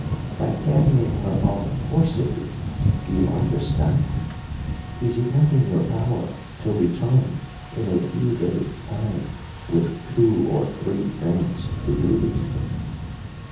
By carrying her off forcibly do you understand? Is it not in your power to return in a few days' time with two or three friends to do this thing?